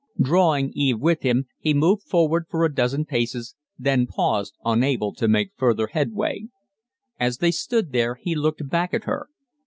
Drawing Eve with him, he moved forward for a dozen paces, then paused, unable to make further headway. As they stood there, he looked back at her.